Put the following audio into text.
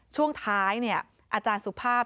ช่วงท้ายอาจารย์สุภาพ